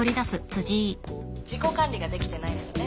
自己管理ができてないのよね。